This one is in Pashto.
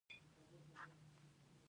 تاوان زیان دی.